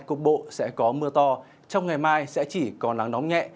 cục bộ sẽ có mưa to trong ngày mai sẽ chỉ có nắng nóng nhẹ